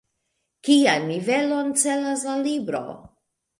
Kian nivelon celas la libro?